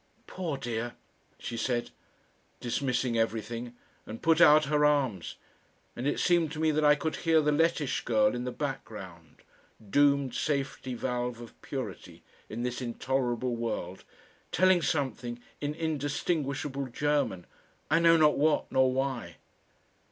"Poor dear!" she said, dismissing everything, and put out her arms, and it seemed to me that I could hear the Lettish girl in the background doomed safety valve of purity in this intolerable world telling something in indistinguishable German I know not what nor why....